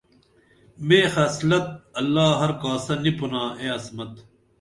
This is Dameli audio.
میں حصلت اللہ ہر کاسہ نی پرئنا اے عصمت